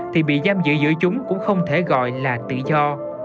thì bị giam giữ giữa chúng cũng không thể gọi là tự do